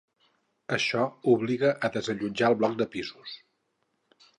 Això obliga a desallotjar un bloc de pisos.